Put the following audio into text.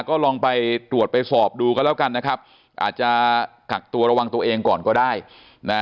ก็ลองไปตรวจไปสอบดูกันแล้วกันนะครับอาจจะกักตัวระวังตัวเองก่อนก็ได้นะ